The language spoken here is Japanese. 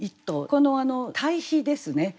この対比ですね。